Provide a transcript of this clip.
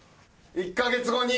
１カ月後に。